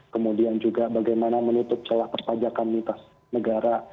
kemudian juga bagaimana menutup celah perpajakan mitas negara